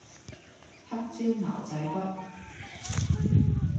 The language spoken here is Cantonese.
黑椒牛仔骨